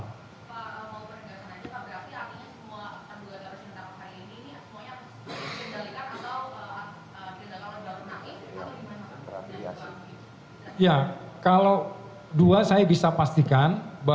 pak mau peringatan aja pak berarti akhirnya semua penduduk yang harus ditangkap hari ini ini semuanya dikendalikan atau kita kalau tidak menangkip atau gimana